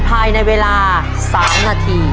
ภายในเวลา๓นาที